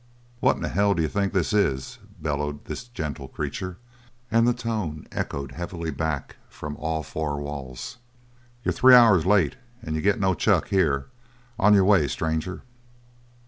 "What in hell d'you think this is?" bellowed this gentle creature, and the tone echoed heavily back from all four walls. "You're three hours late and you get no chuck here. On your way, stranger!"